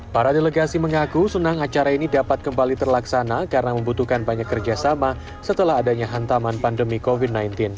para delegasi mengaku senang acara ini dapat kembali terlaksana karena membutuhkan banyak kerjasama setelah adanya hantaman pandemi covid sembilan belas